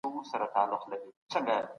ملي شورا د تابعیت قانون نه سختوي.